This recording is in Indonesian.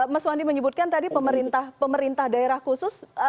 mas wandi menyebutkan tadi pemerintah daerah khusus